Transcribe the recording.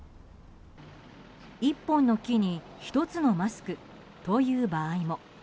１本の木に１つのマスクという場合も。